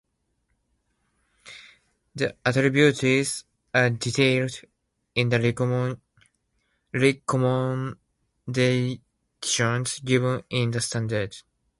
The attributes are detailed in the recommendations given in the standard.